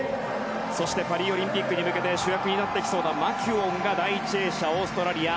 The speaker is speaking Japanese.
そしてパリオリンピックに向けて主役になってきそうなマキュオンが第１泳者オーストラリア。